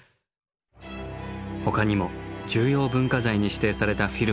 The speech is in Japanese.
ほかにも重要文化財に指定されたフィルムがありました。